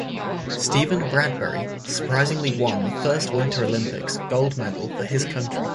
Steven Bradbury surprisingly won the first Winter Olympics gold medal for his country.